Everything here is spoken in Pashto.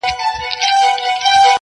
چي مو د پېغلو سره سم ګودر په کاڼو ولي؛